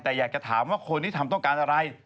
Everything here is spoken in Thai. แต่อยากจะถามว่าคนที่ทำต้องการอะไร